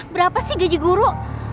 berapa sih gaji guru